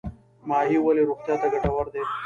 ماهي ولې روغتیا ته ګټور دی؟